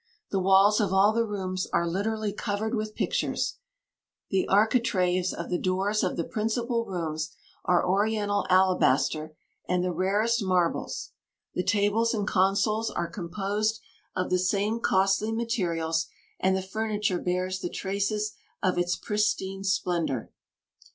The walls of all the rooms are literally covered with pictures; the architraves of the doors of the principal rooms are oriental alabaster and the rarest marbles; the tables and consoles are composed of the same costly materials; and the furniture bears the traces of its pristine splendour."